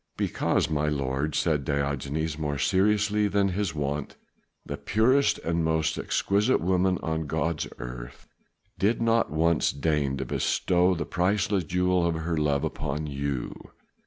"Because, my lord," said Diogenes more seriously than was his wont, "the purest and most exquisite woman on God's earth did once deign to bestow the priceless jewel of her love upon you.